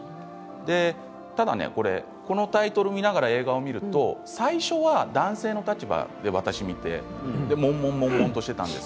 ただね、このタイトルを見ながら映画を見ると最初は男性の立場で私、見てもんもんとしていたんですが。